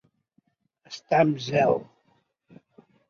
Estar en zel.